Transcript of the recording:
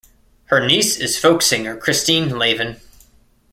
Her niece is folk singer Christine Lavin.